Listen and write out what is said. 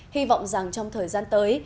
hy vọng rằng trong thời gian tới